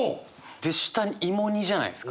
で下「芋煮」じゃないですか。